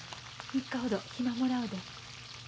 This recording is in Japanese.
３日ほど暇もらうで。